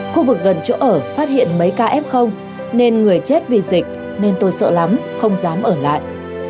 khu vực gần chỗ ở phát hiện mấy ca f nên người chết vì dịch nên tôi sợ lắm không dám ở lại